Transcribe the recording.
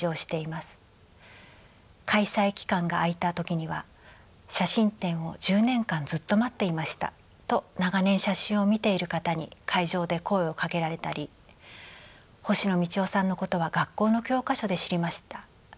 開催期間があいた時には「写真展を１０年間ずっと待っていました」と長年写真を見ている方に会場で声をかけられたり「星野道夫さんのことは学校の教科書で知りました。